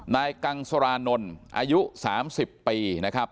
นายกังสรานนท์อายุ๓๐ปีนะครับ